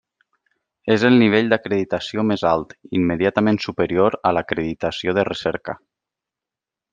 És el nivell d'acreditació més alt, immediatament superior a l'Acreditació de recerca.